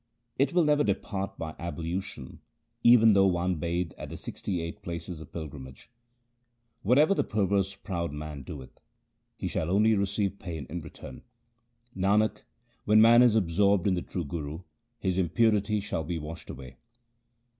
It will never depart by ablution even though one bathe at the sixty eight places of pilgrimage. Whatever the perverse proud man doeth, he shall only receive pain in return. Nanak, when man is absorbed in the true Guru, his im purity shall be washed away.